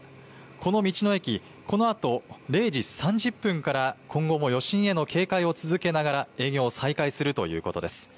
この道の駅、このあと０時３０分から今後も余震への警戒を続けながら営業を再開するということです。